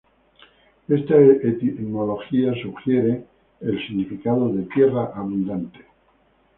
Esta etimología sugiere el significado de 'tierra abundante'.